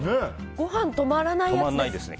ご飯止まらないやつですね。